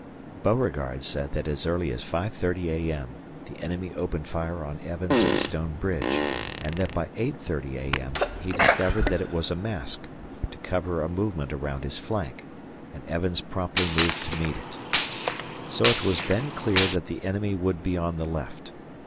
Beauregard said that as early as 5.30 A.M. the enemy opened fire on Evans at Stone Bridge, and that by 8.30 A.M. he discovered that it was a mask to cover a movement around his flank, and Evans promptly moved to meet it. So it was then clear that the enemy would be on the left.